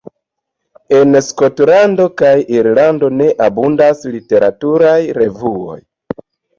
En Skotlando kaj Irlando ne abundas literaturaj revuoj.